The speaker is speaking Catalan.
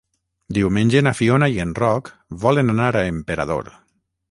Diumenge na Fiona i en Roc volen anar a Emperador.